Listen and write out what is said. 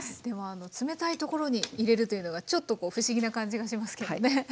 でも冷たいところに入れるというのがちょっと不思議な感じがしますけどね。